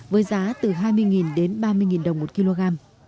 với giá từ hai mươi đến ba mươi đồng một kg